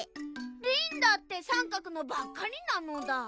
リンだってさんかくのばっかりなのだ。